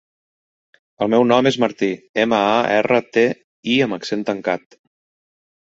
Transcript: El meu nom és Martí: ema, a, erra, te, i amb accent tancat.